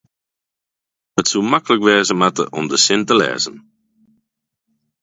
it soe maklik wêze moatte om de sin te lêzen